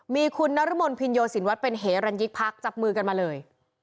มีคุณนรมนภินโยสินวัฒน์เป็นเหรันยิกพักจับมือกันมาเลย